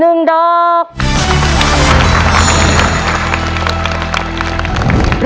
คุณฝนจากชายบรรยาย